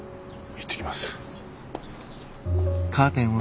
行ってきます。